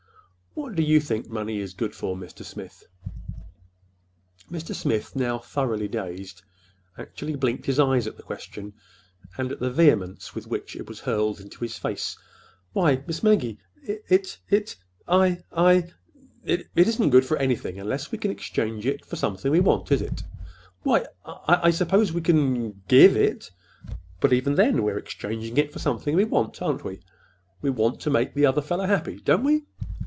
What do you think money is good for, Mr. Smith?" Mr. Smith, now thoroughly dazed, actually blinked his eyes at the question, and at the vehemence with which it was hurled into his face. "Why, Miss Maggie, it—it—I—I—" "It isn't good for anything unless we can exchange it for something we want, is it?" "Why, I—I suppose we can give it—" "But even then we're exchanging it for something we want, aren't we? We want to make the other fellow happy, don't we?"